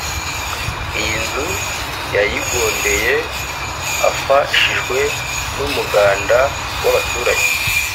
iyi nzu yayigondeye afashijwe n’umuganda w’abaturage